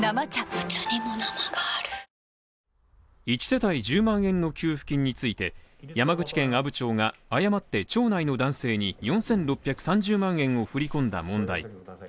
１世帯１０万円の給付金について、山口県阿武町が誤って町内の男性に４６３０万円を振り込んだ問題。